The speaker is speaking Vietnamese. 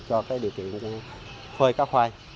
cho điều kiện khơi cá khoai